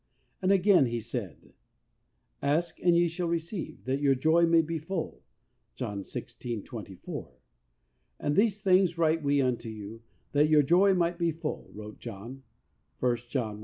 And again He said, "Ask and ye shall receive, that your joy may be full." (John 16: 24.) "And these things write we unto you that your joy might be full," wrote John, (i John 1:4.)